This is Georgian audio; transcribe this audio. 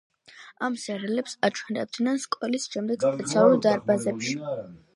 ამ სერიალებს აჩვენებდნენ სკოლის შემდეგ სპეციალურ დარბაზებში.